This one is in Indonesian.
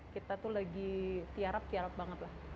kita tuh lagi tiarap tiarap banget lah